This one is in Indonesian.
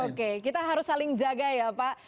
oke kita harus saling jaga ya pak